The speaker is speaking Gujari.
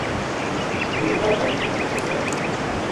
گوجری ما گہانی لکھن کو مقصد